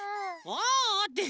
「ああ」って